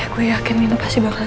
ya gue yakin nino pasti bakalan sadar